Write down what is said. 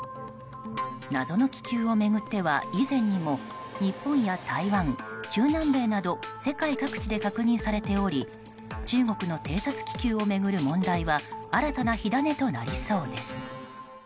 謎の気球を巡っては、以前にも日本や台湾、中南米など世界各地で確認されており中国の偵察気球を巡る問題は新たな火種となりそうです。